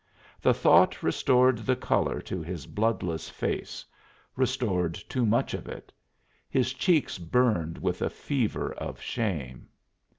The thought restored the color to his bloodless face restored too much of it. His cheeks burned with a fever of shame.